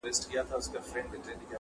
چي پیدا کړي لږ ثروت بس هوایې سي,